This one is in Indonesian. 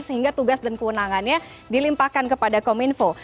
sehingga tugas dan kewenangannya dilimpahkan kepada kominfo